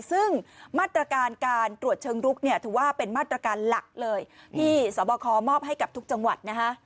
ซึ่งมาตรการการตรวจเชิงลุกเนี่ยถือว่าเป็นมาตรการหลักเลยที่สบคมอบให้กับทุกจังหวัดนะคะ